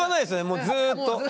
もうずっと。